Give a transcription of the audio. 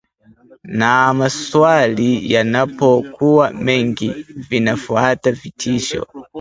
Na maswali yanapokuwa mengi, vinafuata vitisho